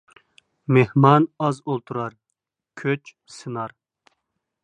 مېھمان ئاز ئولتۇرار، كۆچ سىنار.